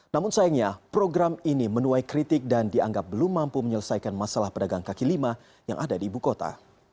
namun sayangnya program ini menuai kritik dan dianggap belum mampu menyelesaikan masalah pedagang kaki lima yang ada di ibu kota